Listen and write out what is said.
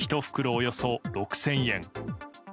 およそ６０００円。